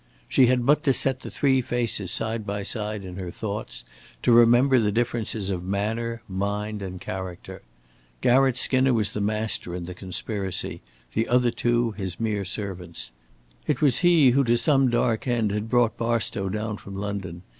She had but to set the three faces side by side in her thoughts, to remember the differences of manner, mind and character. Garratt Skinner was the master in the conspiracy, the other two his mere servants. It was he who to some dark end had brought Barstow down from London.